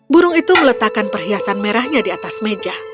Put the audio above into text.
burung itu meletakkan perhiasan merahnya di atas meja